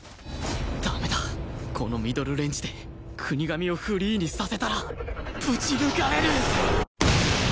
駄目だこのミドルレンジで國神をフリーにさせたらぶち抜かれる！